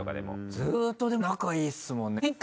ずっとでも仲いいっすもんね。